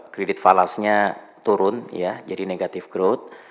kredit falasnya turun jadi negative growth